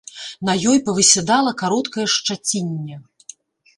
На ёй павысядала кароткае шчацінне.